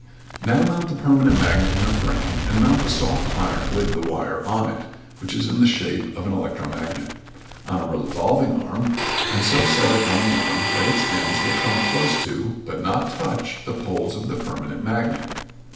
Now mount the permanent magnet in a frame and mount the soft iron with the wire on it (which in this shape is an electromagnet) on a revolving arm and so set it on the arm that its ends will come close to, but not touch, the poles of the permanent magnet.